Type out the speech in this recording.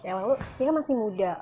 ya mbak lu dia kan masih muda